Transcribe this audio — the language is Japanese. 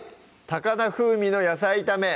「高菜風味の野菜炒め」